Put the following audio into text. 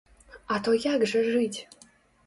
А то як жа жыць?